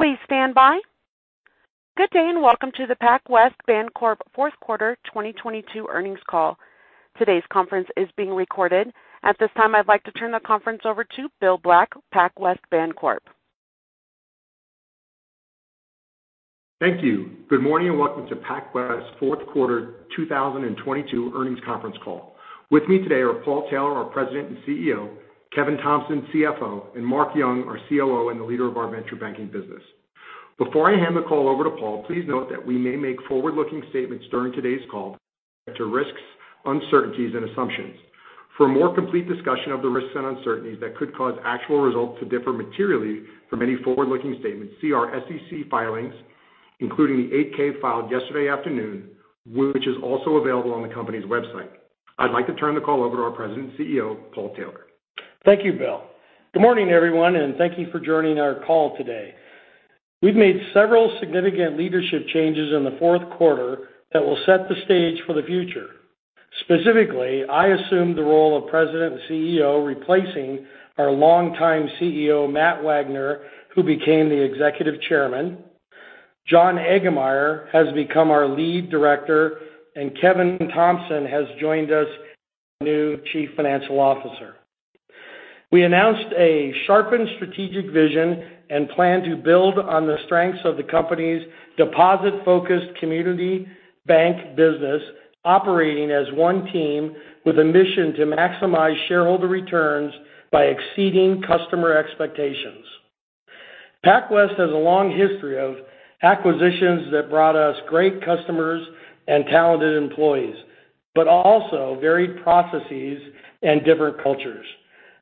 Please stand by. Good day, welcome to the PacWest Bancorp Q4 2022 earnings call. Today's conference is being recorded. At this time, I'd like to turn the conference over to Bill Black, PacWest Bancorp. Thank you. Good morning, welcome to PacWest Q4 2022 earnings conference call. With me today are Paul Taylor, our President and CEO, Kevin Thompson, CFO, and Mark Yung, our COO, and the leader of our venture banking business. Before I hand the call over to Paul, please note that we may make forward-looking statements during today's call to risks, uncertainties, and assumptions. For a more complete discussion of the risks and uncertainties that could cause actual results to differ materially from any forward-looking statements, see our S.E.C. filings, including the 8-K filed yesterday afternoon, which is also available on the company's website. I'd like to turn the call over to our President and CEO, Paul Taylor. Thank you, Bill. Good morning, everyone, and thank you for joining our call today. We've made several significant leadership changes in the Q4 that will set the stage for the future. Specifically, I assume the role of President and CEO, replacing our longtime CEO, Matt Wagner, who became the Executive Chairman. John Eggemeyer has become our Lead Director, and Kevin Thompson has joined us as our new Chief Financial Officer. We announced a sharpened strategic vision and plan to build on the strengths of the company's deposit-focused community bank business, operating as one team with a mission to maximize shareholder returns by exceeding customer expectations. PacWest has a long history of acquisitions that brought us great customers and talented employees, but also varied processes and different cultures.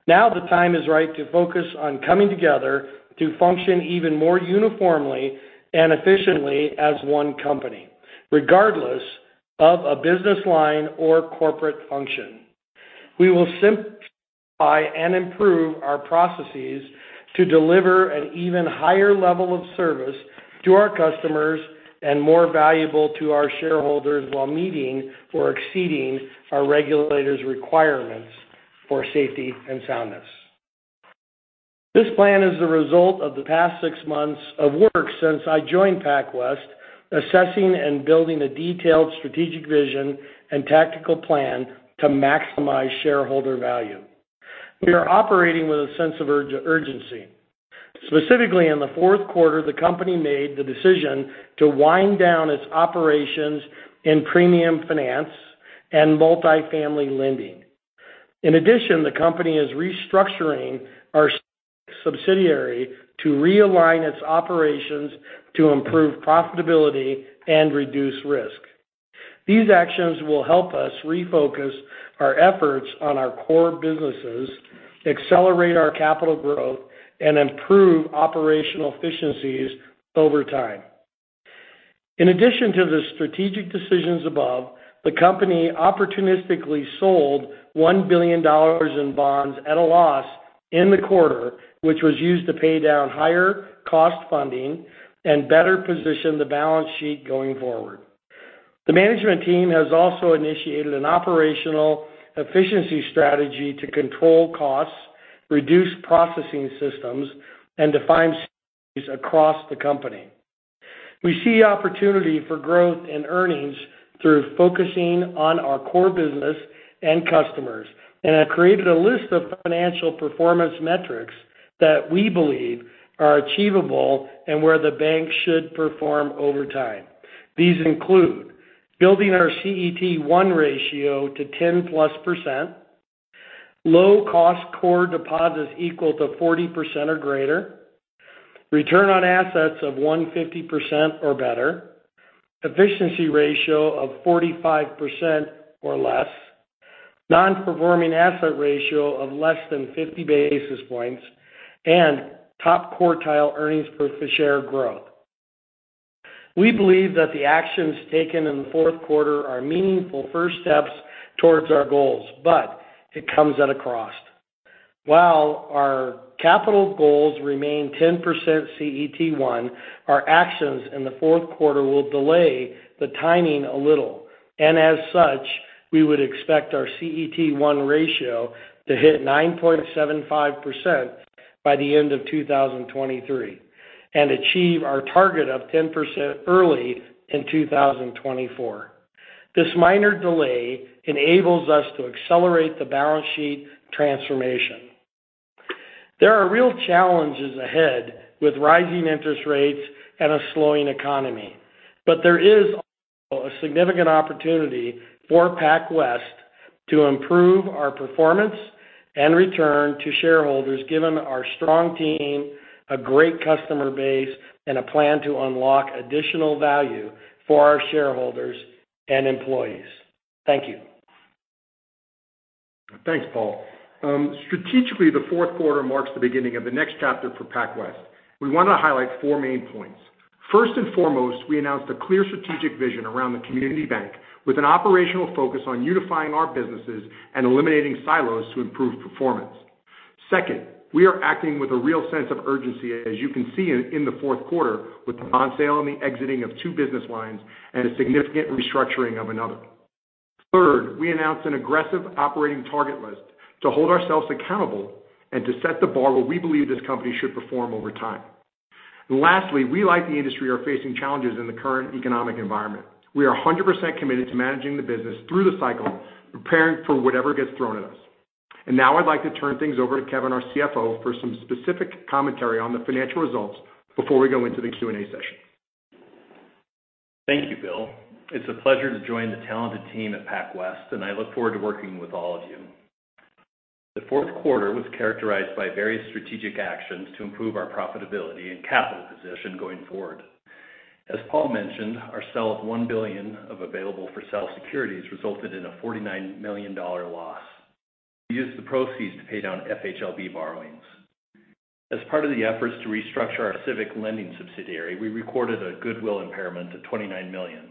The time is right to focus on coming together to function even more uniformly and efficiently as one company, regardless of a business line or corporate function. We will simplify and improve our processes to deliver an even higher level of service to our customers and more valuable to our shareholders while meeting or exceeding our regulators' requirements for safety and soundness. This plan is the result of the past six months of work since I joined PacWest, assessing and building a detailed strategic vision and tactical plan to maximize shareholder value. We are operating with a sense of urgency. Specifically, in the Q4, the company made the decision to wind down its operations in premium finance and multifamily lending. In addition, the company is restructuring our subsidiary to realign its operations to improve profitability and reduce risk. These actions will help us refocus our efforts on our core businesses, accelerate our capital growth, and improve operational efficiencies over time. In addition to the strategic decisions above, the company opportunistically sold $1 billion in bonds at a loss in the quarter, which was used to pay down higher cost funding and better position the balance sheet going forward. The management team has also initiated an operational efficiency strategy to control costs, reduce processing systems, and define across the company. We see opportunity for growth and earnings through focusing on our core business and customers and have created a list of financial performance metrics that we believe are achievable and where the bank should perform over time. These include building our CET1 ratio to 10+%, low-cost core deposits equal to 40% or greater, return on assets of 150% or better, efficiency ratio of 45% or less, non-performing asset ratio of less than 50 basis points, and top-quartile earnings per share growth. We believe that the actions taken in the Q4 are meaningful first steps towards our goals. It comes at a cost. While our capital goals remain 10% CET1, our actions in the Q4 will delay the timing a little. As such, we would expect our CET1 ratio to hit 9.75% by the end of 2023 and achieve our target of 10% early in 2024. This minor delay enables us to accelerate the balance sheet transformation. There are real challenges ahead with rising interest rates and a slowing economy. There is also a significant opportunity for PacWest to improve our performance and return to shareholders, given our strong team, a great customer base, and a plan to unlock additional value for our shareholders and employees. Thank you. Thanks, Paul. Strategically, the Q4 marks the beginning of the next chapter for PacWest. We wanna highlight four main points. First and foremost, we announced a clear strategic vision around the community bank with an operational focus on unifying our businesses and eliminating silos to improve performance. Second, we are acting with a real sense of urgency, as you can see in the Q4 with the bond sale and the exiting of two business lines and a significant restructuring of another. Third, we announced an aggressive operating target list to hold ourselves accountable and to set the bar where we believe this company should perform over time. Lastly, we, like the industry, are facing challenges in the current economic environment. We are 100% committed to managing the business through the cycle, preparing for whatever gets thrown at us. Now I'd like to turn things over to Kevin, our CFO, for some specific commentary on the financial results before we go into the Q&A session. Thank you, Bill. It's a pleasure to join the talented team at PacWest. I look forward to working with all of you. The Q4 was characterized by various strategic actions to improve our profitability and capital position going forward. As Paul mentioned, our sale of $1 billion of available-for-sale securities resulted in a $49 million loss. We used the proceeds to pay down FHLB borrowings. As part of the efforts to restructure our Civic lending subsidiary, we recorded a goodwill impairment of $29 million.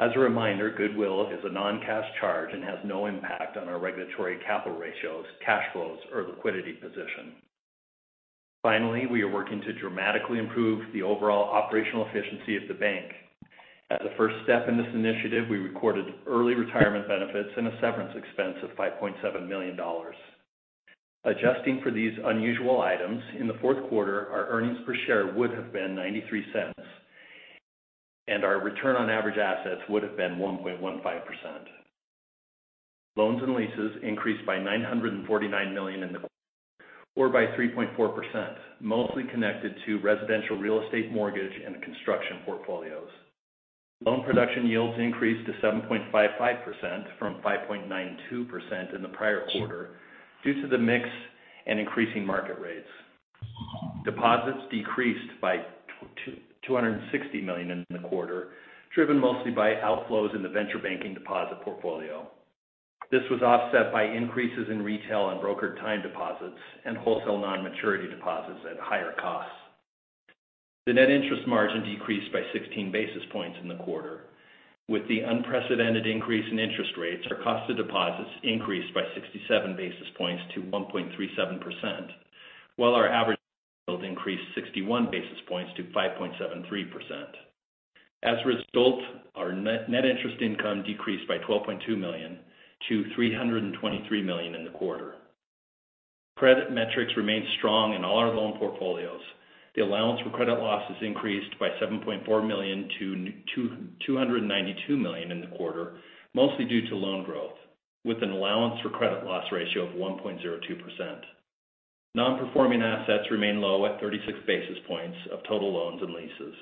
As a reminder, goodwill is a non-cash charge and has no impact on our regulatory capital ratios, cash flows, or liquidity position. We are working to dramatically improve the overall operational efficiency of the bank. As a first step in this initiative, we recorded early retirement benefits and a severance expense of $5.7 million. Adjusting for these unusual items, in the Q4, our earnings per share would have been $0.93, and our return on average assets would have been 1.15%. Loans and leases increased by $949 million or by 3.4%, mostly connected to residential real estate mortgage and construction portfolios. Loan production yields increased to 7.55% from 5.92% in the prior quarter due to the mix and increasing market rates. Deposits decreased by $260 million in the quarter, driven mostly by outflows in the venture banking deposit portfolio. This was offset by increases in retail and brokered time deposits and wholesale non-maturity deposits at higher costs. The net interest margin decreased by 16 basis points in the quarter. With the unprecedented increase in interest rates, our cost of deposits increased by 67 basis points to 1.37%, while our average yield increased 61 basis points to 5.73%. As a result, our net interest income decreased by $12.2 million to $323 million in the quarter. Credit metrics remained strong in all our loan portfolios. The allowance for credit losses increased by $7.4 million to $292 million in the quarter, mostly due to loan growth, with an allowance for credit loss ratio of 1.02%. Non-performing assets remain low at 36 basis points of total loans and leases.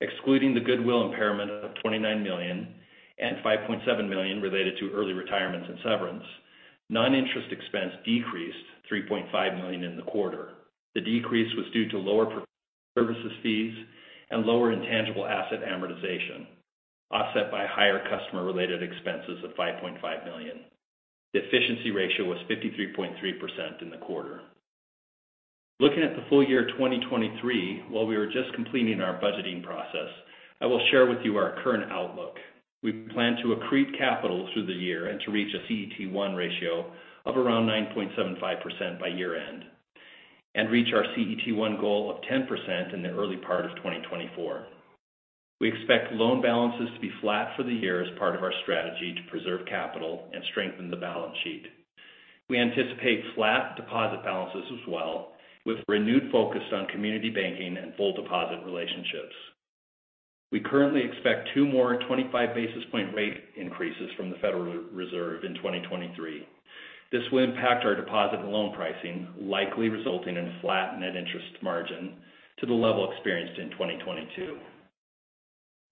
Excluding the goodwill impairment of $29 million and $5.7 million related to early retirements and severance, non-interest expense decreased $3.5 million in the quarter. The decrease was due to lower services fees and lower intangible asset amortization, offset by higher customer-related expenses of $5.5 million. The efficiency ratio was 53.3% in the quarter. Looking at the full year 2023, while we were just completing our budgeting process, I will share with you our current outlook. We plan to accrete capital through the year and to reach a CET1 ratio of around 9.75% by year-end and reach our CET1 goal of 10% in the early part of 2024. We expect loan balances to be flat for the year as part of our strategy to preserve capital and strengthen the balance sheet. We anticipate flat deposit balances as well, with renewed focus on community banking and full deposit relationships. We currently expect two more 25 basis point rate increases from the Federal Reserve in 2023. This will impact our deposit and loan pricing, likely resulting in flat net interest margin to the level experienced in 2022.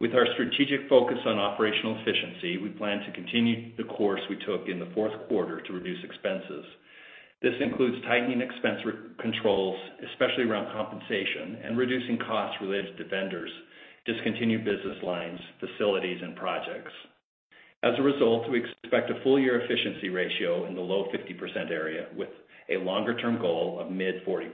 With our strategic focus on operational efficiency, we plan to continue the course we took in the Q4 to reduce expenses. This includes tightening expense controls, especially around compensation, and reducing costs related to vendors, discontinued business lines, facilities, and projects. As a result, we expect a full year efficiency ratio in the low 50% area with a longer-term goal of mid-40%.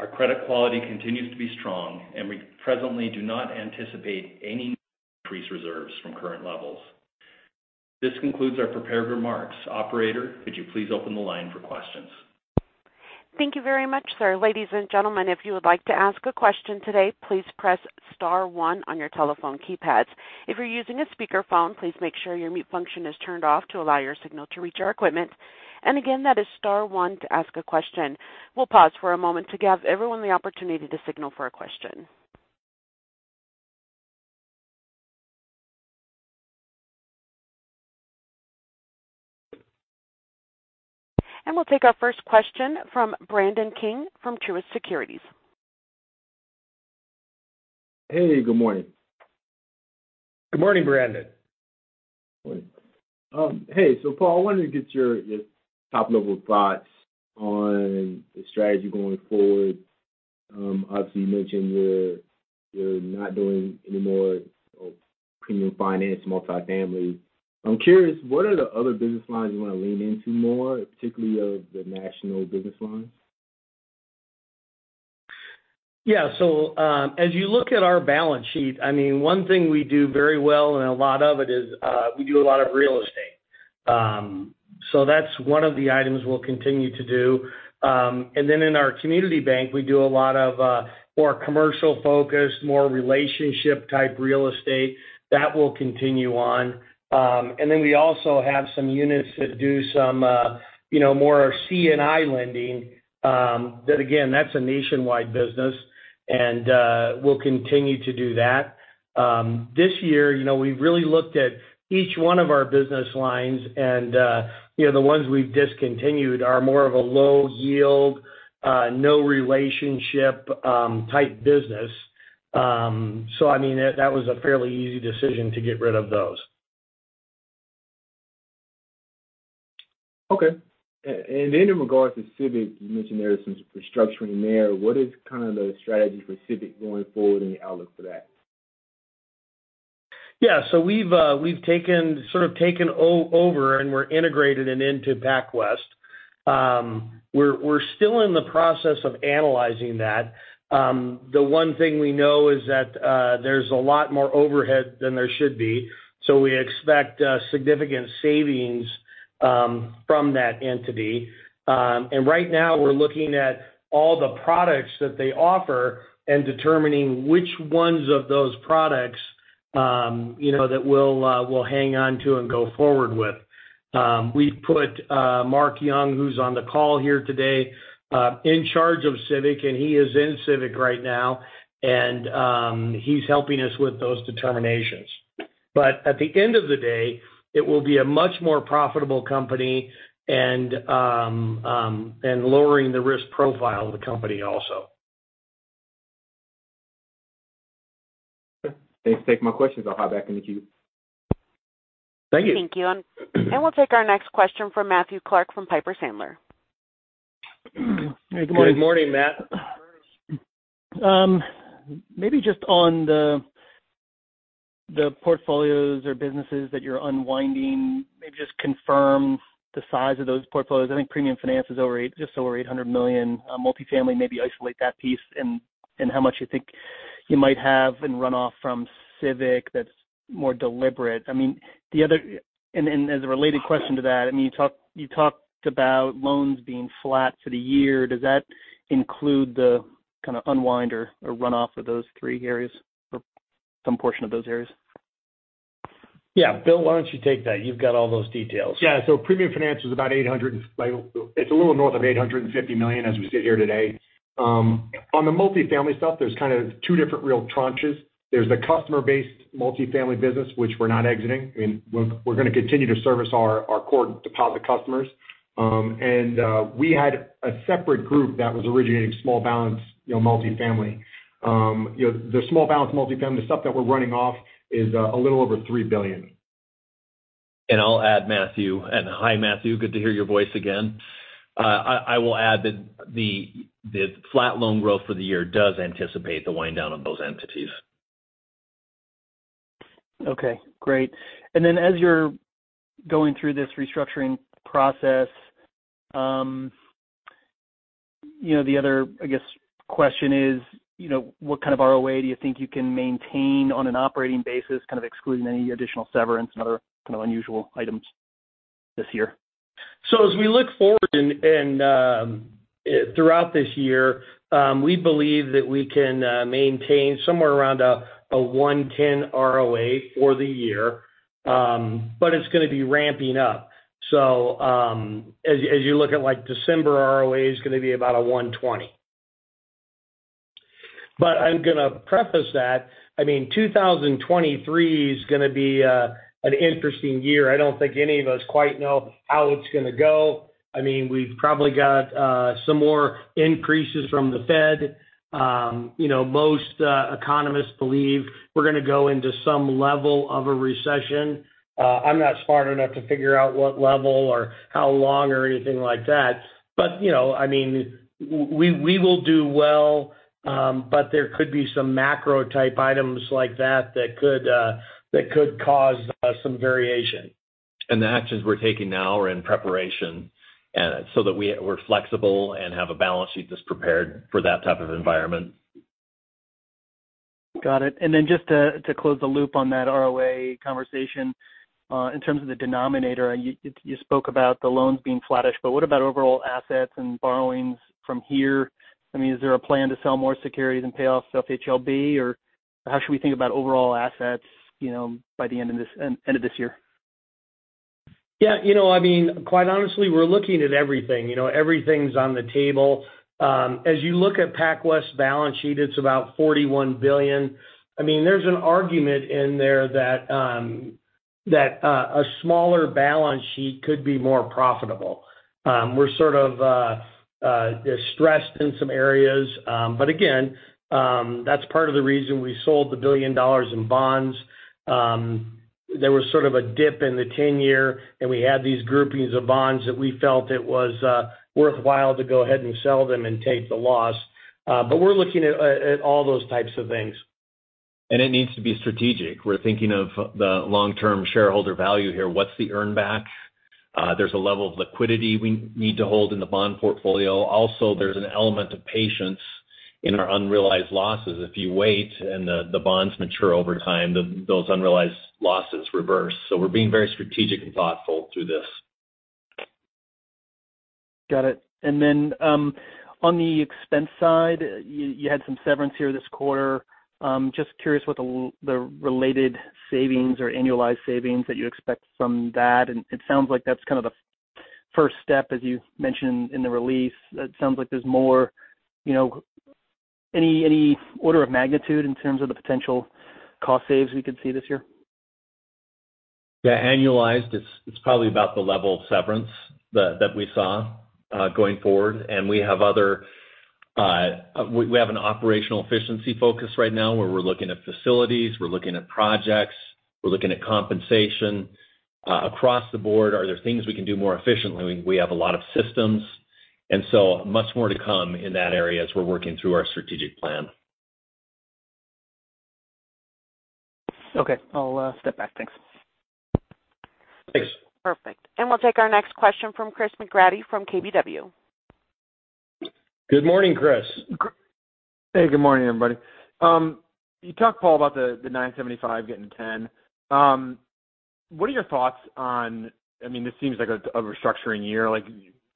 Our credit quality continues to be strong and we presently do not anticipate any increased reserves from current levels. This concludes our prepared remarks. Operator, could you please open the line for questions? Thank you very much, sir. Ladies and gentlemen, if you would like to ask a question today, please press star one on your telephone keypads. If you're using a speakerphone, please make sure your mute function is turned off to allow your signal to reach our equipment. Again, that is star one to ask a question. We'll pause for a moment to give everyone the opportunity to signal for a question. We'll take our first question from Brandon King from Truist Securities. Hey, good morning. Good morning, Brandon. Good morning. Hey. Paul, I wanted to get your top-level thoughts on the strategy going forward. Obviously, you mentioned you're not doing any more of premium finance multifamily. I'm curious, what are the other business lines you want to lean into more, particularly of the national business lines? Yeah. As you look at our balance sheet, I mean, one thing we do very well, and a lot of it is, we do a lot of real estate. That's one of the items we'll continue to do. In our community bank, we do a lot of more commercial focus, more relationship-type real estate. That will continue on. We also have some units that do some, you know, more C&I lending, that again, that's a nationwide business and we'll continue to do that. This year, you know, we've really looked at each one of our business lines and, you know, the ones we've discontinued are more of a low yield, no relationship, type business. I mean, that was a fairly easy decision to get rid of those. Okay. In regards to Civic, you mentioned there is some restructuring there. What is kind of the strategy for Civic going forward and the outlook for that? We've sort of taken over and we're integrated into PacWest. We're still in the process of analyzing that. The one thing we know is that there's a lot more overhead than there should be, so we expect significant savings from that entity. Right now we're looking at all the products that they offer and determining which ones of those products, you know, that we'll hang on to and go forward with. We've put Mark Yung, who's on the call here today, in charge of Civic, and he is in Civic right now, and he's helping us with those determinations. At the end of the day, it will be a much more profitable company and lowering the risk profile of the company also. Thanks for taking my questions. I'll hop back in the queue. Thank you. Thank you. We'll take our next question from Matthew Clark from Piper Sandler. Good morning. Good morning, Matt. Maybe just on the portfolios or businesses that you're unwinding, maybe just confirm the size of those portfolios. I think Premium Finance is just over $800 million. Multifamily, maybe isolate that piece and how much you think you might have in runoff from Civic that's more deliberate. I mean, the other. As a related question to that, I mean, you talked about loans being flat for the year. Does that include the kind of unwind or runoff of those three areas or some portion of those areas? Yeah. Bill, why don't you take that? You've got all those details. Yeah. Premium Finance it's a little north of $850 million as we sit here today. On the multifamily stuff, there's kind of two different real tranches. There's the customer-based multifamily business, which we're not exiting, and we're gonna continue to service our core deposit customers. And we had a separate group that was originating small balance, you know, multifamily. You know, the small balance multifamily stuff that we're running off is a little over $3 billion. I'll add Matthew. Hi, Matthew, good to hear your voice again. I will add that the flat loan growth for the year does anticipate the wind down of those entities. Okay, great. As you're going through this restructuring process, you know, the other, I guess, question is, you know, what kind of ROA do you think you can maintain on an operating basis, kind of excluding any additional severance and other kind of unusual items this year? As we look forward and throughout this year, we believe that we can maintain somewhere around a 1.10 ROA for the year, but it's gonna be ramping up. As you look at, like, December ROA is gonna be about a 1.20. I'm gonna preface that, I mean, 2023 is gonna be an interesting year. I don't think any of us quite know how it's gonna go. I mean, we've probably got some more increases from the Fed. You know, most economists believe we're gonna go into some level of a recession. I'm not smart enough to figure out what level or how long or anything like that. You know, I mean, we will do well, but there could be some macro type items like that could cause some variation. The actions we're taking now are in preparation, and so that we're flexible and have a balance sheet that's prepared for that type of environment. Got it. Just to close the loop on that ROA conversation, in terms of the denominator, you spoke about the loans being flattish, what about overall assets and borrowings from here? I mean, is there a plan to sell more securities and pay off FHLB, or how should we think about overall assets, you know, by the end of this year? Yeah, you know, I mean, quite honestly, we're looking at everything. You know, everything's on the table. As you look at PacWest balance sheet, it's about $41 billion. I mean, there's an argument in there that a smaller balance sheet could be more profitable. We're sort of stressed in some areas. Again, that's part of the reason we sold the $1 billion in bonds. There was sort of a dip in the 10-year, and we had these groupings of bonds that we felt it was worthwhile to go ahead and sell them and take the loss. We're looking at all those types of things. It needs to be strategic. We're thinking of the long-term shareholder value here. What's the earn back? There's a level of liquidity we need to hold in the bond portfolio. Also, there's an element of patience. In our unrealized losses, if you wait and the bonds mature over time, those unrealized losses reverse. We're being very strategic and thoughtful through this. Got it. On the expense side, you had some severance here this quarter. Just curious what the related savings or annualized savings that you expect from that. It sounds like that's kind of the first step, as you mentioned in the release. It sounds like there's more. You know, any order of magnitude in terms of the potential cost saves we could see this year? Yeah. Annualized, it's probably about the level of severance that we saw going forward. We have an operational efficiency focus right now, where we're looking at facilities, we're looking at projects, we're looking at compensation. Across the board, are there things we can do more efficiently? We have a lot of systems. So much more to come in that area as we're working through our strategic plan. Okay. I'll step back. Thanks. Thanks. Perfect. We'll take our next question from Christopher McGratty from KBW. Good morning, Chris. Hey, good morning, everybody. You talked, Paul, about the 975 getting 10. What are your thoughts on I mean, this seems like a restructuring year. Like,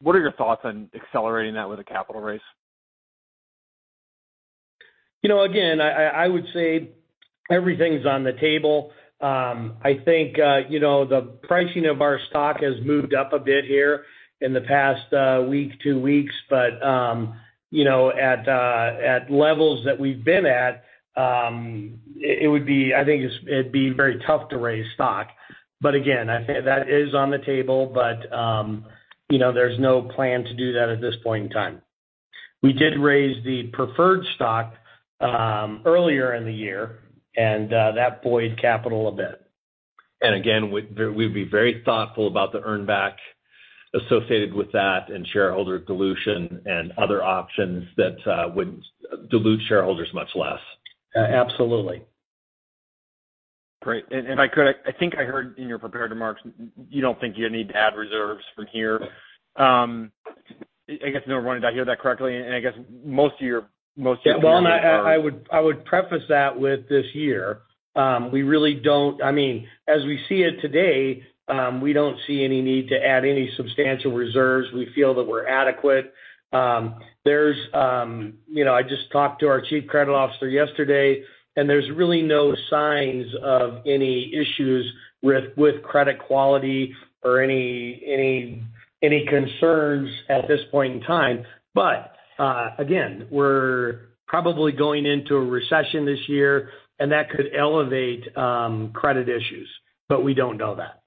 what are your thoughts on accelerating that with a capital raise? You know, again, I would say everything's on the table. I think, you know, the pricing of our stock has moved up a bit here in the past, week, two weeks. You know, at levels that we've been at, it would be I think it's, it'd be very tough to raise stock. Again, That is on the table, but you know, there's no plan to do that at this point in time. We did raise the preferred stock, earlier in the year, and that buoyed capital a bit. Again, we'd be very thoughtful about the earn back associated with that and shareholder dilution and other options that would dilute shareholders much less. Absolutely. Great. If I could, I think I heard in your prepared remarks, you don't think you need to add reserves from here. I guess number one, did I hear that correctly? I guess most of your- Yeah. Well, I would preface that with this year. We really don't... I mean, as we see it today, we don't see any need to add any substantial reserves. We feel that we're adequate. You know, I just talked to our chief credit officer yesterday, and there's really no signs of any issues with credit quality or any concerns at this point in time. Again, we're probably going into a recession this year, and that could elevate credit issues. We don't know that.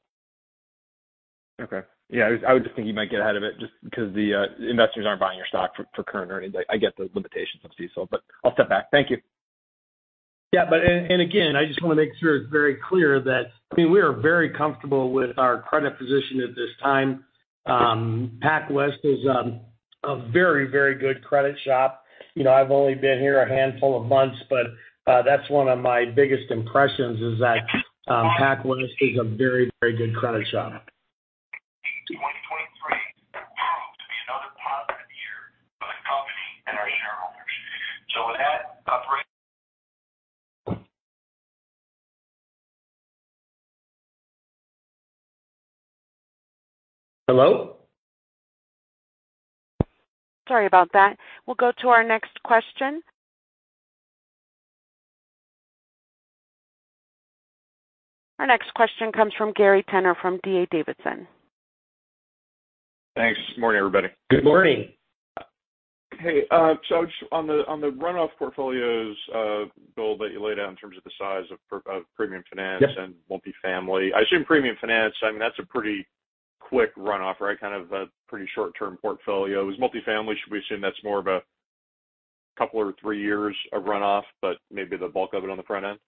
Okay. Yeah, I was just thinking you might get ahead of it just because the investors aren't buying your stock for current earnings. I get the limitations of CECL, but I'll step back. Thank you. Yeah. Again, I just want to make sure it's very clear that, I mean, we are very comfortable with our credit position at this time. PacWest is a very, very good credit shop. You know, I've only been here a handful of months, but that's one of my biggest impressions, is that PacWest is a very, very good credit shop. 2023 proved to be another positive year for the company and our shareholders. With that. Hello? Sorry about that. We'll go to our next question. Our next question comes from Gary Tenner from D.A. Davidson. Thanks. Morning, everybody. Good morning. Hey, just on the runoff portfolios, goal that you laid out in terms of the size of premium finance. Yeah. multifamily. I assume premium finance, I mean, that's a pretty quick runoff, right? Kind of a pretty short-term portfolio. With multifamily, should we assume that's more of a couple or three years of runoff, but maybe the bulk of it on the front end?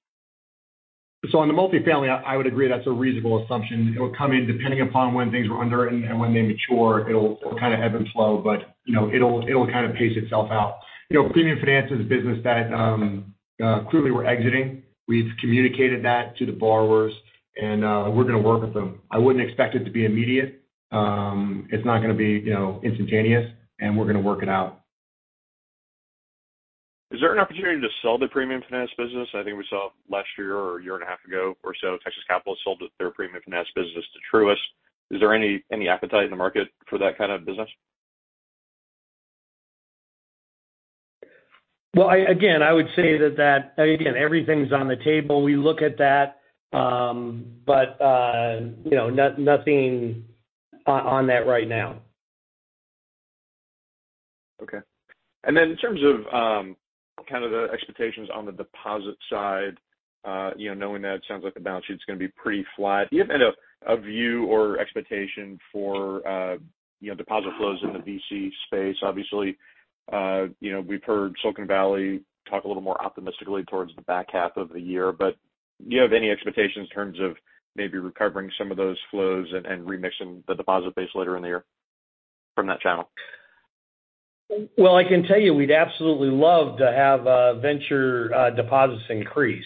On the multifamily, I would agree that's a reasonable assumption. It will come in depending upon when things were underwritten and when they mature. It'll kind of ebb and flow, but, you know, it'll kind of pace itself out. You know, premium finance is a business that clearly we're exiting. We've communicated that to the borrowers, and we're gonna work with them. I wouldn't expect it to be immediate. It's not gonna be, you know, instantaneous, and we're gonna work it out. Is there an opportunity to sell the premium finance business? I think we saw last year or a year and a half ago or so, Texas Capital sold their premium finance business to Truist. Is there any appetite in the market for that kind of business? Again, I would say that, again, everything's on the table. We look at that, but, you know, nothing on that right now. Okay. In terms of, kind of the expectations on the deposit side, you know, knowing that it sounds like the balance sheet's gonna be pretty flat. Do you have any a view or expectation for, you know, deposit flows in the VC space? Obviously, you know, we've heard Silicon Valley talk a little more optimistically towards the back half of the year. Do you have any expectations in terms of maybe recovering some of those flows and remixing the deposit base later in the year from that channel? I can tell you we'd absolutely love to have venture deposits increase.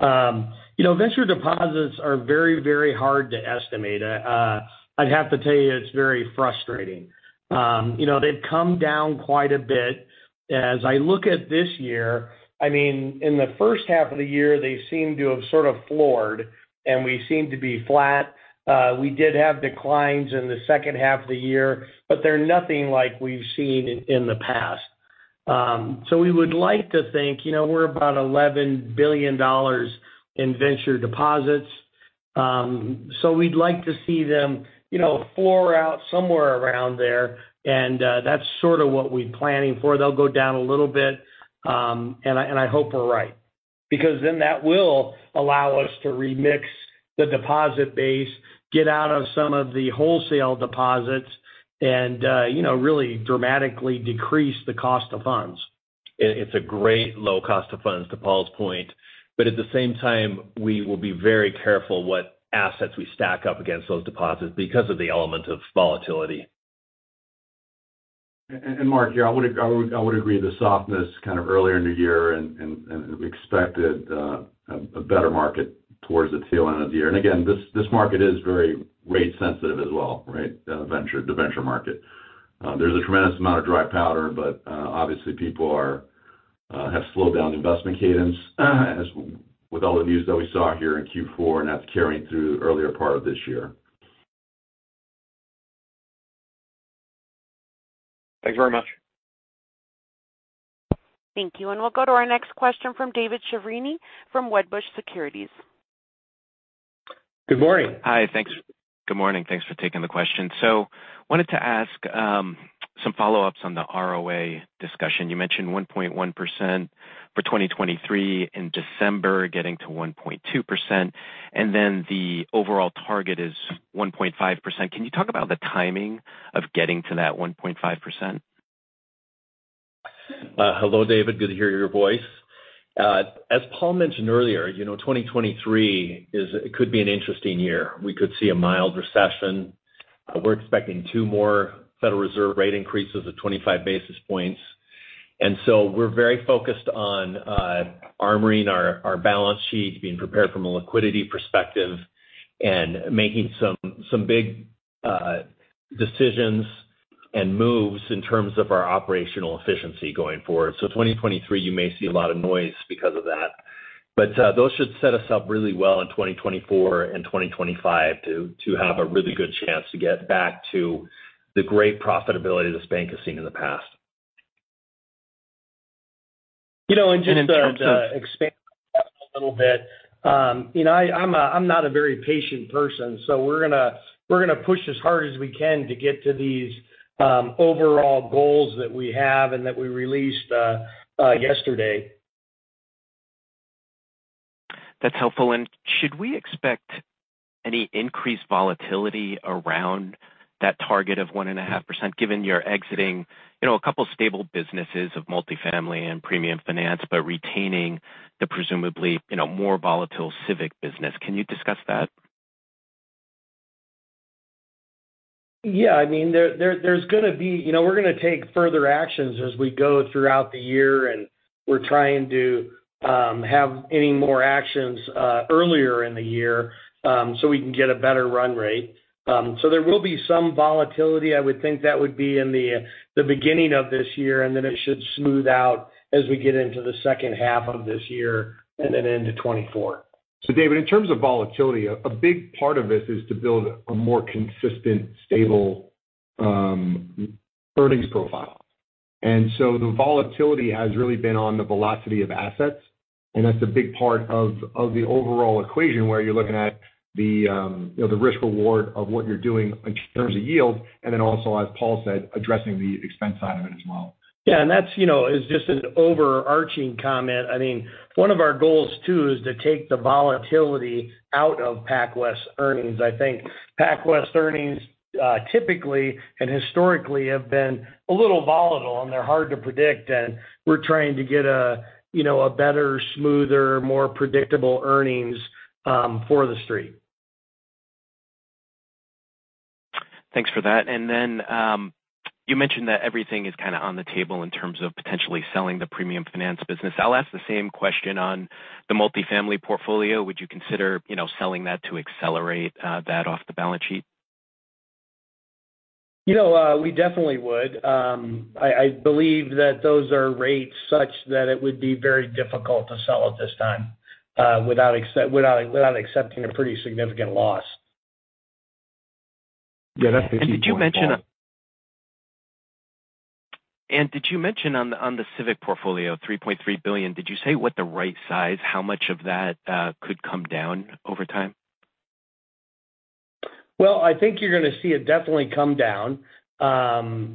You know, venture deposits are very, very hard to estimate. I'd have to tell you it's very frustrating. You know, they've come down quite a bit. As I look at this year, I mean, in the H1 of the year, they seem to have sort of floored, and we seem to be flat. We did have declines in the H2 of the year, but they're nothing like we've seen in the past. We would like to think, you know, we're about $11 billion in venture deposits. We'd like to see them, you know, floor out somewhere around there and that's sort of what we're planning for. They'll go down a little bit, and I hope we're right because then that will allow us to remix the deposit base, get out of some of the wholesale deposits, and, you know, really dramatically decrease the cost of funds. It's a great low cost of funds to Paul's point. At the same time, we will be very careful what assets we stack up against those deposits because of the element of volatility. Mark here, I would agree. The softness kind of earlier in the year and we expected a better market towards the tail end of the year. Again, this market is very rate sensitive as well, right? The venture market. There's a tremendous amount of dry powder, obviously people are have slowed down the investment cadence, as with all the news that we saw here in Q4 and that's carrying through the earlier part of this year. Thanks very much. Thank you. We'll go to our next question from David Chiaverini from Wedbush Securities. Good morning. Hi. Thanks. Good morning. Thanks for taking the question. Wanted to ask some follow-ups on the ROA discussion. You mentioned 1.1% for 2023, in December getting to 1.2%, and then the overall target is 1.5%. Can you talk about the timing of getting to that 1.5%? Hello, David. Good to hear your voice. As Paul mentioned earlier, you know, 2023 could be an interesting year. We could see a mild recession. We're expecting two more Federal Reserve rate increases of 25 basis points. We're very focused on armoring our balance sheet, being prepared from a liquidity perspective, and making some big decisions and moves in terms of our operational efficiency going forward. 2023, you may see a lot of noise because of that. Those should set us up really well in 2024 and 2025 to have a really good chance to get back to the great profitability this bank has seen in the past. You know, just to expand a little bit, you know, I'm not a very patient person, so we're gonna, we're gonna push as hard as we can to get to these overall goals that we have and that we released yesterday. That's helpful. Should we expect any increased volatility around that target of 1.5% given you're exiting, you know, a couple stable businesses of multifamily and premium finance, but retaining the presumably, you know, more volatile Civic business? Can you discuss that? Yeah, I mean, there's gonna be, you know, we're gonna take further actions as we go throughout the year, and we're trying to have any more actions earlier in the year so we can get a better run rate. There will be some volatility. I would think that would be in the beginning of this year, and then it should smooth out as we get into the H2 of this year and then into 2024. David, in terms of volatility, a big part of this is to build a more consistent, stable earnings profile. The volatility has really been on the velocity of assets. That's a big part of the overall equation, where you're looking at the, you know, the risk reward of what you're doing in terms of yield. Then also, as Paul said, addressing the expense side of it as well. Yeah. That's, you know, is just an overarching comment. I mean, one of our goals too is to take the volatility out of PacWest earnings. I think PacWest earnings, typically and historically have been a little volatile, and they're hard to predict. We're trying to get a, you know, a better, smoother, more predictable earnings for the street. Thanks for that. Then you mentioned that everything is kind of on the table in terms of potentially selling the premium finance business. I'll ask the same question on the multifamily portfolio. Would you consider, you know, selling that to accelerate that off the balance sheet? You know, we definitely would. I believe that those are rates such that it would be very difficult to sell at this time, without accepting a pretty significant loss. Yeah, that's the key point. Did you mention on the Civic portfolio, $3.3 billion, did you say what the right size, how much of that, could come down over time? Well, I think you're gonna see it definitely come down.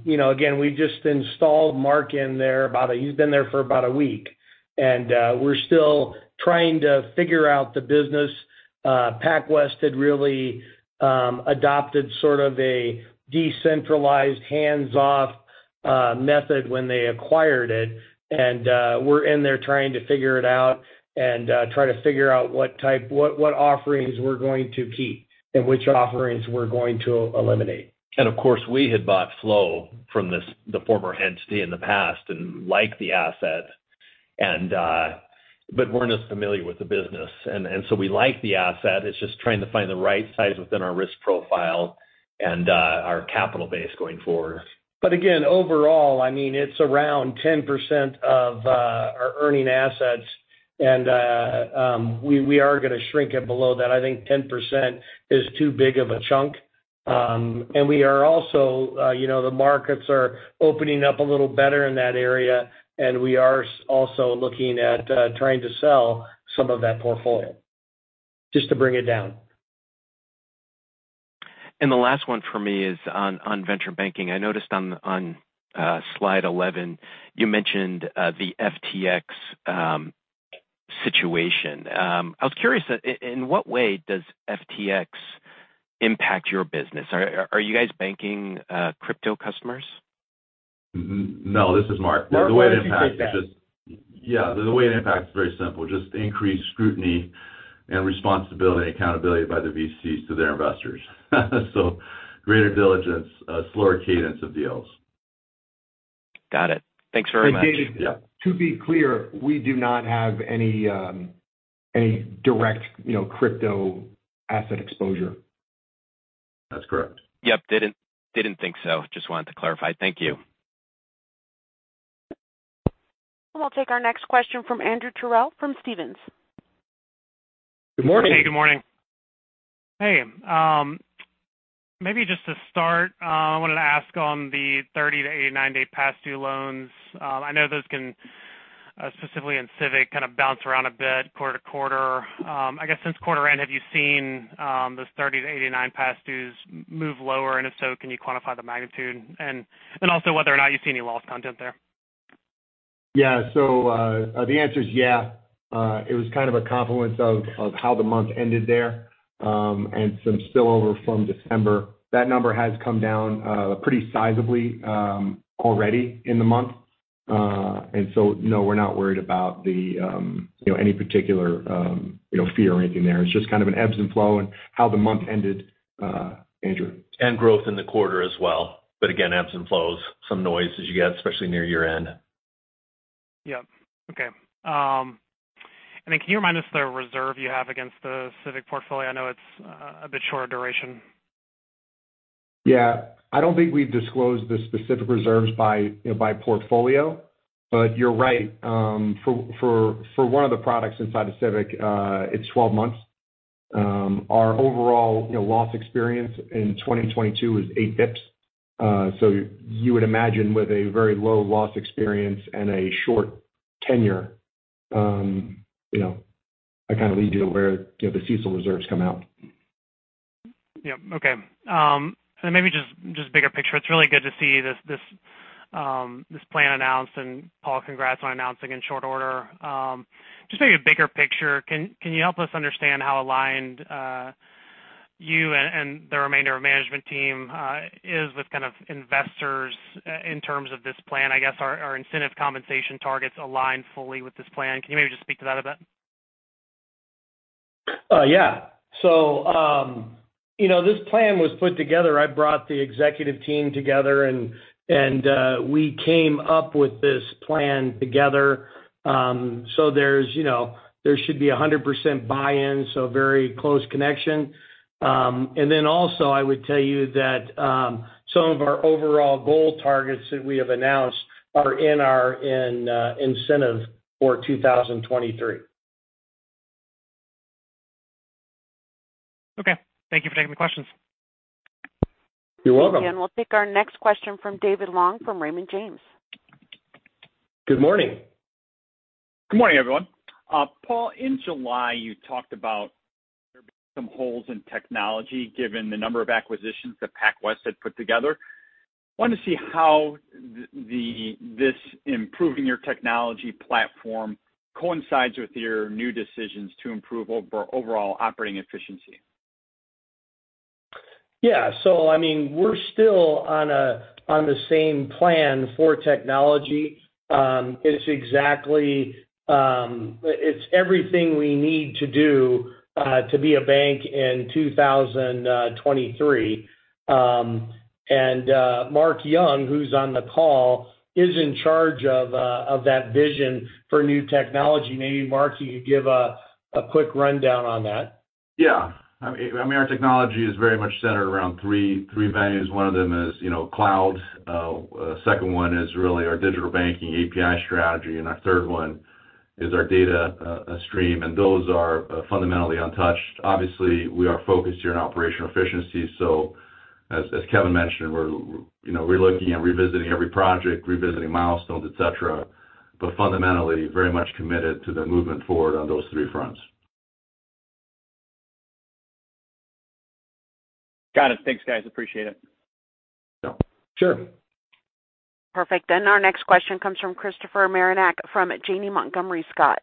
You know, again, we just installed Mark Yung in there. He's been there for about a week, we're still trying to figure out the business. PacWest had really adopted sort of a decentralized, hands-off method when they acquired it. We're in there trying to figure it out and try to figure out what type, what offerings we're going to keep and which offerings we're going to eliminate. Of course, we had bought Flow from the former entity in the past and like the assets. Weren't as familiar with the business. We like the asset. It's just trying to find the right size within our risk profile and our capital base going forward. again, overall, I mean, it's around 10% of our earning assets. we are gonna shrink it below that. I think 10% is too big of a chunk. we are also, you know, the markets are opening up a little better in that area. we are also looking at trying to sell some of that portfolio just to bring it down. The last one for me is on venture banking. I noticed on slide 11, you mentioned the FTX situation. I was curious, in what way does FTX impact your business? Are you guys banking crypto customers? No, this is Mark. The way it impacts-. Mark wants to take that. Yeah. The way it impacts is very simple. Just increased scrutiny and responsibility, accountability by the VCs to their investors. Greater diligence, slower cadence of deals. Got it. Thanks very much. David Yeah. To be clear, we do not have any direct, you know, crypto asset exposure. That's correct. Yep. Didn't think so. Just wanted to clarify. Thank you. We'll take our next question from Andrew Terrell from Stephens. Good morning. Good morning. Hey, maybe just to start, I wanted to ask on the 30 to 89 day past due loans. I know those can, specifically in Civic, kind of bounce around a bit quarter to quarter. I guess since quarter end, have you seen those 30 to 89 past dues move lower? If so, can you quantify the magnitude? And also whether or not you see any loss content there. Yeah. The answer is yeah. It was kind of a confluence of how the month ended there, and some spill over from December. That number has come down pretty sizably already in the month. No, we're not worried about the, you know, any particular, you know, fear or anything there. It's just kind of an ebb and flow and how the month ended, Andrew. Growth in the quarter as well. Again, ebbs and flows, some noise as you get especially near year-end. Yep. Okay. Can you remind us the reserve you have against the Civic portfolio? I know it's, a bit shorter duration. Yeah. I don't think we've disclosed the specific reserves by, you know, by portfolio. You're right. For one of the products inside of Civic, it's 12 months. Our overall, you know, loss experience in 2022 is eight basis points. You would imagine with a very low loss experience and a short tenure, you know, I kind of lead you to where, you know, the CECL reserves come out. Yep. Okay. Maybe just bigger picture. It's really good to see this plan announced. Paul, congrats on announcing in short order. Just maybe a bigger picture. Can you help us understand how aligned you and the remainder of management team is with kind of investors in terms of this plan? I guess our incentive compensation targets align fully with this plan. Can you maybe just speak to that a bit? Yeah, you know, this plan was put together. I brought the executive team together and we came up with this plan together. There's, you know, there should be a 100% buy-in, so very close connection. I would tell you that some of our overall goal targets that we have announced are in incentive for 2023. Okay. Thank you for taking the questions. You're welcome. Thank you. We'll take our next question from David Long from Raymond James. Good morning. Good morning, everyone. Paul, in July, you talked about some holes in technology, given the number of acquisitions that PacWest had put together. Wanted to see how this improving your technology platform coincides with your new decisions to improve overall operating efficiency? I mean, we're still on the same plan for technology. It's everything we need to do to be a bank in 2023. Mark Yung, who's on the call, is in charge of that vision for new technology. Maybe Mark, can you give a quick rundown on that? Yeah. I mean, our technology is very much centered around three values. One of them is, you know, cloud. Second one is really our digital banking API strategy, and our third one is our data stream. Those are fundamentally untouched. Obviously, we are focused here on operational efficiency. As Kevin mentioned, we're looking at revisiting every project, revisiting milestones, et cetera, but fundamentally very much committed to the movement forward on those three fronts. Got it. Thanks, guys. Appreciate it. Sure. Perfect. Our next question comes from Christopher Marinac from Janney Montgomery Scott.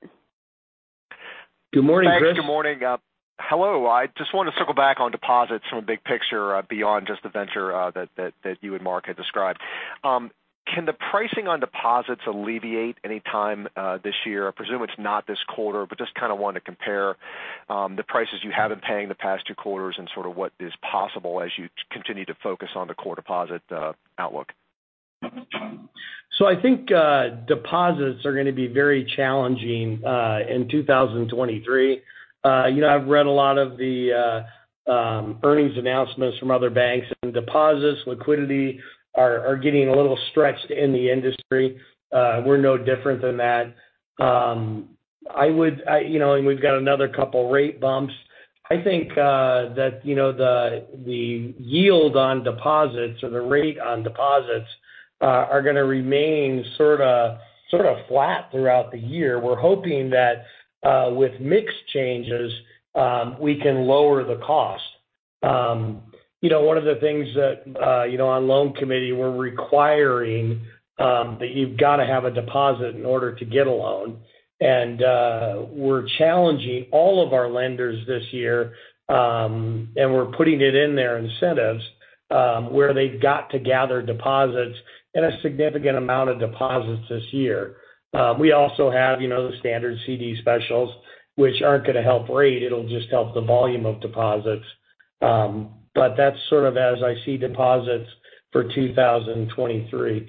Good morning, Chris. Thanks. Good morning. Hello. I just wanted to circle back on deposits from a big picture, beyond just the venture, that you and Mark had described. Can the pricing on deposits alleviate any time this year? I presume it's not this quarter, but just kind of wanted to compare. The prices you have been paying the past Q2 and sort of what is possible as you continue to focus on the core deposit, outlook. I think deposits are gonna be very challenging in 2023. You know, I've read a lot of the earnings announcements from other banks, and deposits, liquidity are getting a little stretched in the industry. We're no different than that. You know, and we've got another couple rate bumps. I think that, you know, the yield on deposits or the rate on deposits are gonna remain sorta flat throughout the year. We're hoping that with mix changes, we can lower the cost. You know, one of the things that, you know, on loan committee, we're requiring that you've gotta have a deposit in order to get a loan. We're challenging all of our lenders this year, and we're putting it in their incentives, where they've got to gather deposits and a significant amount of deposits this year. We also have, you know, the standard CD specials, which aren't gonna help rate, it'll just help the volume of deposits. That's sort of as I see deposits for 2023.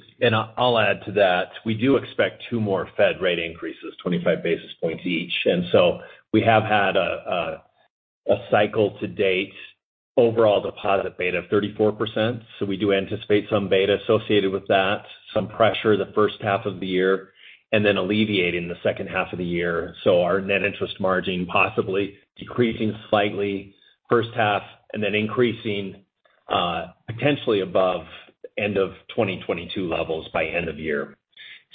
I'll add to that. We do expect two more Fed rate increases, 25 basis points each. We have had a cycle to date overall deposit beta of 34%. We do anticipate some beta associated with that, some pressure the first half of the year, and then alleviating the H2 of the year. Our net interest margin possibly decreasing slightly first half and then increasing, potentially above end of 2022 levels by end of year.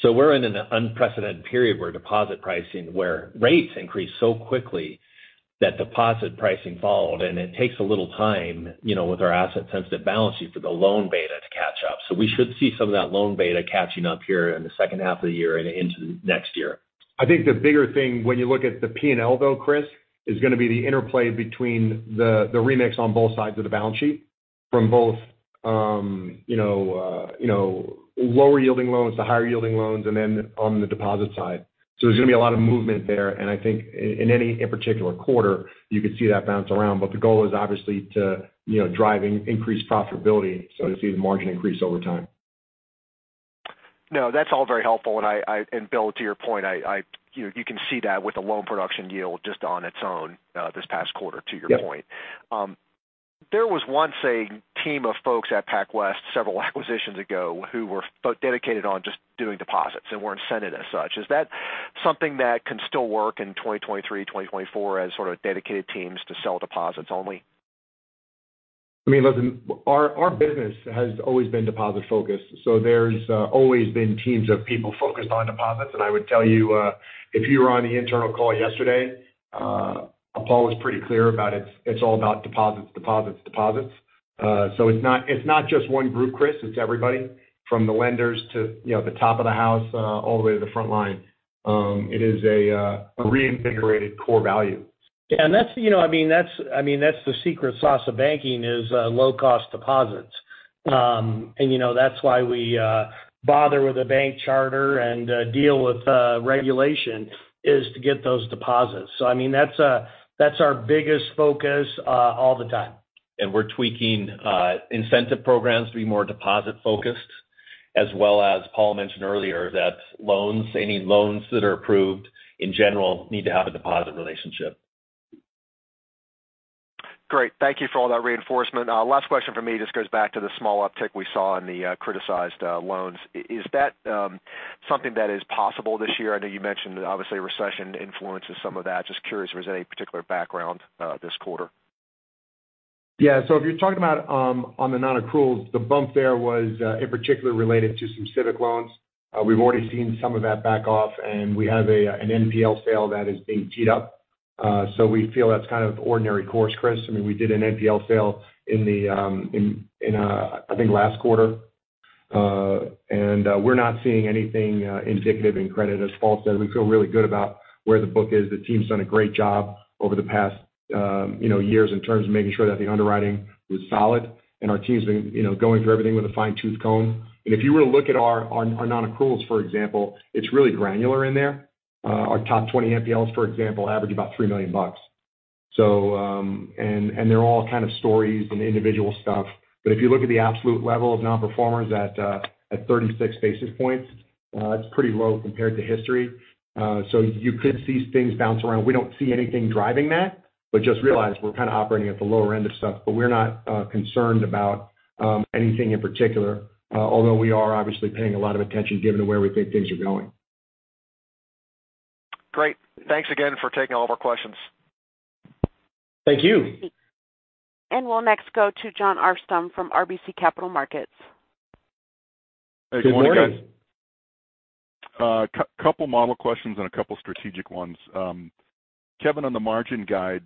We're in an unprecedented period where deposit pricing, where rates increased so quickly that deposit pricing followed, and it takes a little time, you know, with our asset-sensitive balance sheet for the loan beta to catch up. We should see some of that loan beta catching up here in the H2 of the year and into next year. I think the bigger thing when you look at the P&L though, Chris, is gonna be the interplay between the remix on both sides of the balance sheet from both, you know, lower-yielding loans to higher-yielding loans and then on the deposit side. There's gonna be a lot of movement there. I think in any particular quarter, you could see that bounce around. The goal is obviously to, you know, drive increased profitability, so to see the margin increase over time. No, that's all very helpful. Bill, to your point, you know, you can see that with the loan production yield just on its own, this past quarter, to your point. Yes. There was once a team of folks at PacWest several acquisitions ago who were dedicated on just doing deposits and were incented as such. Is that something that can still work in 2023, 2024 as sort of dedicated teams to sell deposits only? I mean, listen, our business has always been deposit-focused, so there's always been teams of people focused on deposits. I would tell you, if you were on the internal call yesterday, Paul was pretty clear about it's all about deposits, deposits. It's not just one group, Chris. It's everybody from the lenders to, you know, the top of the house, all the way to the front line. It is a reinvigorated core value. Yeah. That's, you know, I mean, that's the secret sauce of banking is low-cost deposits. You know, that's why we bother with a bank charter and deal with the regulation, is to get those deposits. I mean, that's our biggest focus, all the time. We're tweaking, incentive programs to be more deposit-focused, as well as Paul mentioned earlier that loans, any loans that are approved in general need to have a deposit relationship. Great. Thank you for all that reinforcement. Last question from me just goes back to the small uptick we saw in the criticized loans. Is that something that is possible this year? I know you mentioned obviously recession influences some of that. Just curious if there's any particular background this quarter. If you're talking about on the non-accruals, the bump there was in particular related to some Civic loans. We've already seen some of that back off, and we have an NPL sale that is being teed up. We feel that's kind of ordinary course, Chris. I mean, we did an NPL sale in I think last quarter. We're not seeing anything indicative in credit. As Paul said, we feel really good about where the book is. The team's done a great job over the past, you know, years in terms of making sure that the underwriting was solid. Our team's been, you know, going through everything with a fine-tooth comb. If you were to look at our non-accruals, for example, it's really granular in there. Our top 20 NPLs, for example, average about $3 million. They're all kind of stories and individual stuff. If you look at the absolute level of non-performers at 36 basis points, it's pretty low compared to history. You could see things bounce around. We don't see anything driving that, but just realize we're kind of operating at the lower end of stuff. We're not concerned about anything in particular, although we are obviously paying a lot of attention given where we think things are going. Great. Thanks again for taking all of our questions. Thank you. We'll next go to Jon Arfstrom from RBC Capital Markets. Good morning. Couple model questions and a couple strategic ones. Kevin, on the margin guide,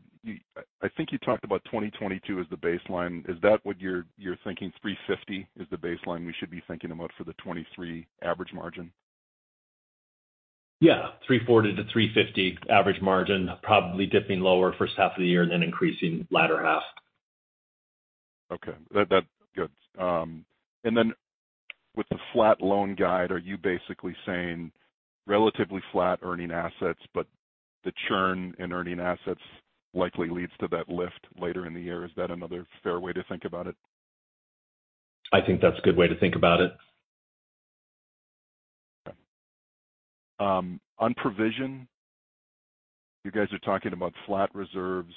I think you talked about 2022 as the baseline. Is that what you're thinking, 3.50% is the baseline we should be thinking about for the 2023 average margin? Yeah. 3.40-3.50% average margin, probably dipping lower first half of the year and then increasing latter half. Okay. That good. Then with the flat loan guide, are you basically saying relatively flat earning assets, but the churn in earning assets likely leads to that lift later in the year? Is that another fair way to think about it? I think that's a good way to think about it. Okay. On provision, you guys are talking about flat reserves,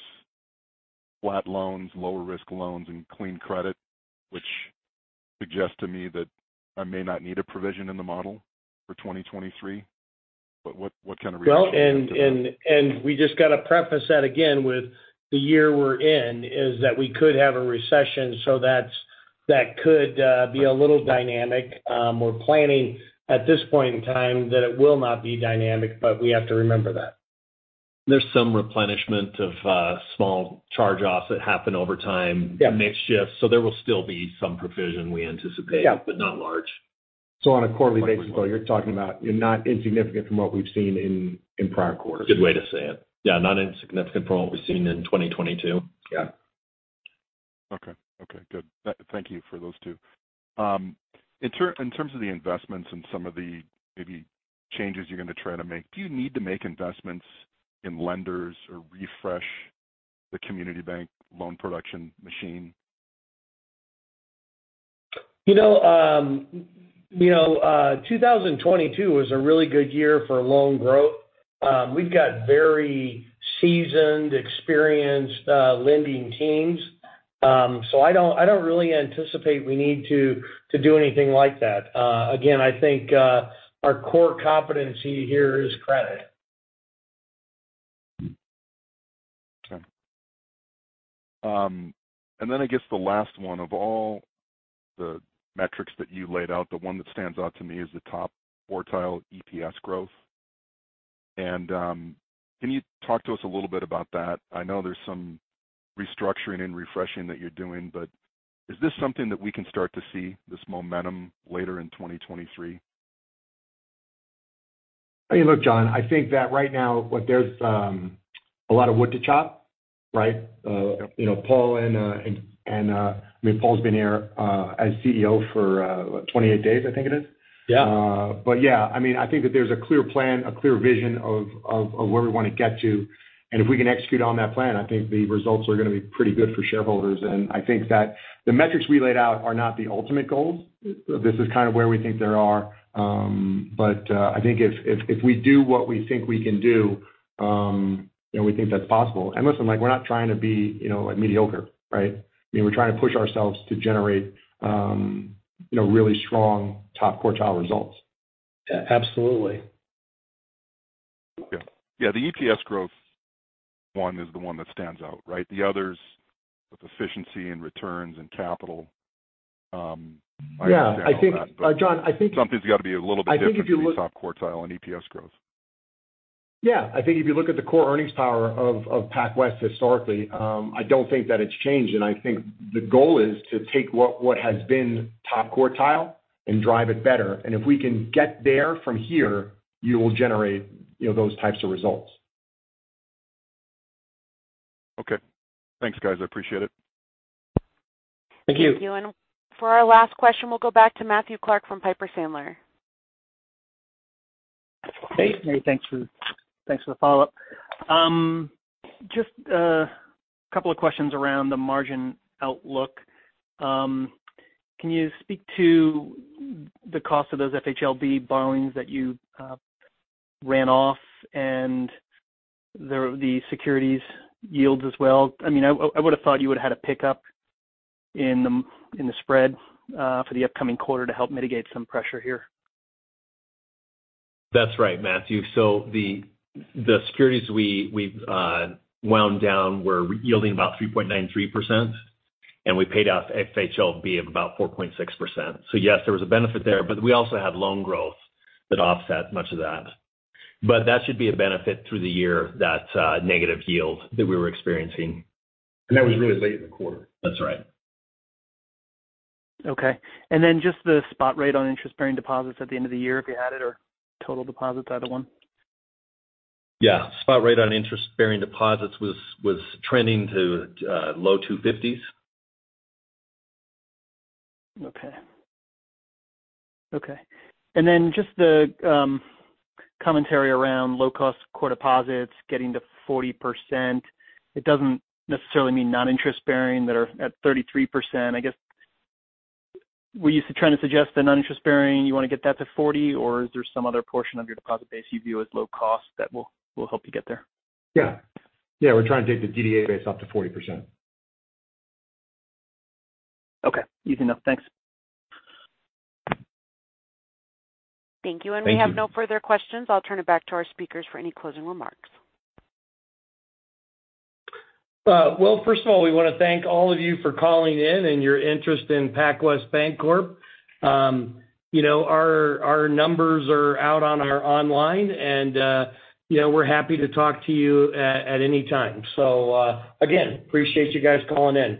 flat loans, lower risk loans, and clean credit, which suggests to me that I may not need a provision in the model for 2023. What kind of reaction. We just got to preface that again with the year we're in, is that we could have a recession. That could be a little dynamic. We're planning at this point in time that it will not be dynamic, but we have to remember that. There's some replenishment of, small charge-offs that happen over time. Yeah. Mix shifts. There will still be some provision we anticipate- Yeah. Not large. On a quarterly basis, you're talking about you're not insignificant from what we've seen in prior quarters. Good way to say it. Yeah, not insignificant from what we've seen in 2022. Yeah. Okay. Okay, good. Thank you for those two. In terms of the investments and some of the maybe changes you're going to try to make, do you need to make investments in lenders or refresh the community bank loan production machine? You know, you know, 2022 was a really good year for loan growth. We've got very seasoned, experienced, lending teams. I don't really anticipate we need to do anything like that. Again, I think our core competency here is credit. Okay. Then I guess the last one. Of all the metrics that you laid out, the one that stands out to me is the top quartile EPS growth. Can you talk to us a little bit about that? I know there's some restructuring and refreshing that you're doing, but is this something that we can start to see this momentum later in 2023? I mean, look, Jon, I think that right now, like there's a lot of wood to chop, right? You know, Paul and, I mean, Paul's been here, as CEO for, what, 28 days I think it is. Yeah. Yeah, I mean, I think that there's a clear plan, a clear vision of where we wanna get to. If we can execute on that plan, I think the results are gonna be pretty good for shareholders. I think that the metrics we laid out are not the ultimate goals. This is kind of where we think they are. I think if we do what we think we can do, you know, we think that's possible. Listen, like, we're not trying to be, you know, like mediocre, right. I mean, we're trying to push ourselves to generate, you know, really strong top quartile results. Yeah, absolutely. Yeah. Yeah, the EPS growth one is the one that stands out, right? The others with efficiency and returns and capital, I understand all that but- Yeah. Jon, Something's gotta be a little bit different. I think if you look to be top quartile in EPS growth. Yeah. I think if you look at the core earnings power of PacWest historically, I don't think that it's changed. I think the goal is to take what has been top quartile and drive it better. If we can get there from here, you will generate, you know, those types of results. Okay. Thanks, guys. I appreciate it. Thank you. Thank you. For our last question, we'll go back to Matthew Clark from Piper Sandler. Hey. Hey, thanks for the follow-up. Just a couple of questions around the margin outlook. Can you speak to the cost of those FHLB borrowings that you ran off and the securities yields as well? I mean, I would've thought you would've had a pickup in the spread for the upcoming quarter to help mitigate some pressure here. That's right, Matthew. The securities we've wound down were yielding about 3.93%, and we paid off FHLB of about 4.6%. Yes, there was a benefit there, but we also had loan growth that offset much of that. That should be a benefit through the year, that negative yield that we were experiencing. That was really late in the quarter. That's right. Okay. Then just the spot rate on interest-bearing deposits at the end of the year, if you had it, or total deposits, either one? Yeah. Spot rate on interest-bearing deposits was trending to low two fifties. Okay. Okay. Then just the commentary around low cost core deposits getting to 40%. It doesn't necessarily mean non-interest-bearing that are at 33%. I guess, were you trying to suggest the non-interest-bearing, you want to get that to 40, or is there some other portion of your deposit base you view as low cost that will help you get there? Yeah. Yeah, we're trying to take the DDA base up to 40%. Okay. Easy enough. We have no further questions. I'll turn it back to our speakers for any closing remarks. Well, first of all, we wanna thank all of you for calling in and your interest in PacWest Bancorp. You know, our numbers are out on our online and, you know, we're happy to talk to you at any time. Again, appreciate you guys calling in.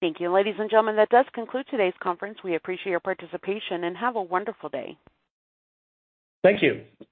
Thank you. Ladies and gentlemen, that does conclude today's conference. We appreciate your participation. Have a wonderful day. Thank you.